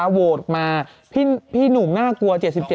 ววชค์มาพี่หนุ่มน่ากลัว๗๗